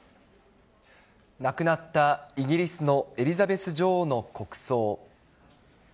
亡くなったイギリスのエリザベス女王の国葬。